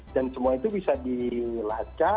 dan semua itu bisa dilacak bisa diakal